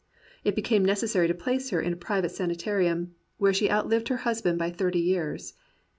It became necessary to place her in a private sani tarium, where she outlived her husband by thirty years.